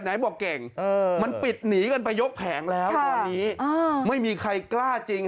ไหนบอกเก่งมันปิดหนีกันไปยกแผงแล้วตอนนี้ไม่มีใครกล้าจริง